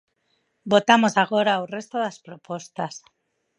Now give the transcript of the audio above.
Votamos agora o resto das propostas.